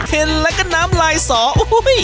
เค็ดและกันน้ำลายสออู้หู้ย